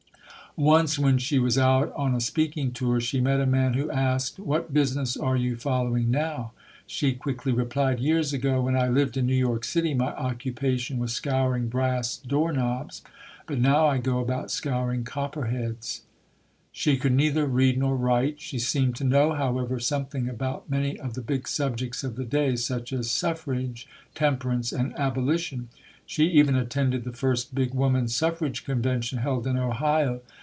Once when she was out on a speaking tour she met a man who asked, "What business are you following now?" SOJOURNER TRUTH [ 225 She quickly replied, "Years ago when I lived in New York City my occupation was scouring brass door knobs, but now I go about scouring copper heads". She could neither read nor write. She seemed to know, however, something about many of the big subjects of the day, such as "Suffrage", "Tem perance" and "Abolition". She even attended the first big woman's suffrage convention, held in Ohio.